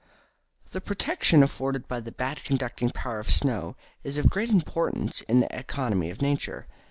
The protection afforded by the bad conducting power of snow is of great importance in the economy of nature.